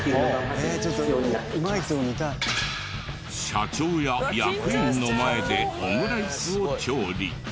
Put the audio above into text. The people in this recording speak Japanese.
社長や役員の前でオムライスを調理。